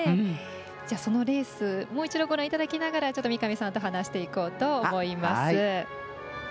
そのレース、もう一度ご覧いただきながら三上さんと話していこうと思います。